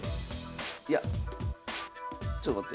いやちょっと待って。